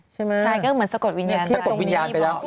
ใช่ไหมใช่ก็เหมือนสะกดวิญญาณไปแล้ว